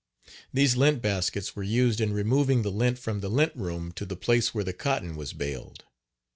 These lint baskets were used in removing the lint from the lint room to the place where the cotton was baled.